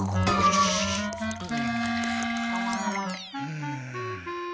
うん。